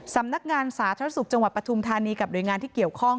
ซำนักงานสาธารสุขจังหวัดประทุมที่ธานีกรรมกับโดยงานที่เกี่ยวข้อง